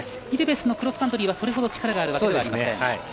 イルベスのクロスカントリーはそれほど力があるわけではありません。